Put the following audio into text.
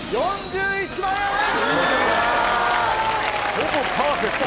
ほぼパーフェクト。